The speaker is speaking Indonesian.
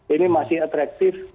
ini masih atraktif